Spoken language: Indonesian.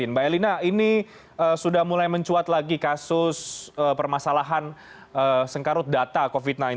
mbak elina ini sudah mulai mencuat lagi kasus permasalahan sengkarut data covid sembilan belas